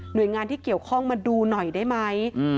โดยงานที่เกี่ยวข้องมาดูหน่อยได้ไหม